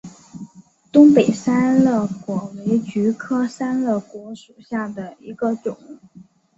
东北三肋果为菊科三肋果属下的一个种。